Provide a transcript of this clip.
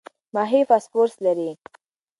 ماهي فاسفورس لري.